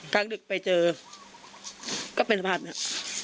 กลางดึกไปเจอก็เป็นสภาพนี้